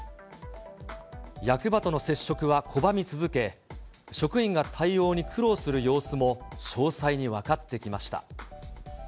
役場との接触は拒み続け、職員が対応に苦労する様子も詳細に分かってきました。